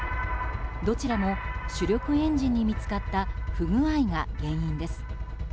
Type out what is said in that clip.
どちらも、主力エンジンに見つかった不具合が原因です。